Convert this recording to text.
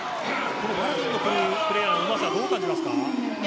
このプレーヤーのうまさどう感じますか。